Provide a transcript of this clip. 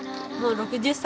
６０歳。